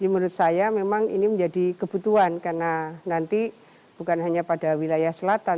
menurut saya memang ini menjadi kebutuhan karena nanti bukan hanya pada wilayah selatan